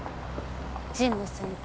神野先輩。